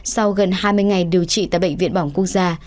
sau gần hai mươi ngày điều trị tại bệnh viện bỏng quốc gia